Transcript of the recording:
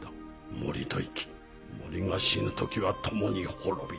森と生き森が死ぬ時は共に滅びる。